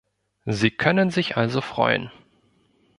Sie können sich also freuen.